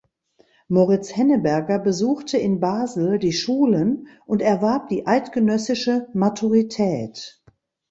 Moriz Henneberger besuchte in Basel die Schulen und erwarb die eidgenössische Maturität.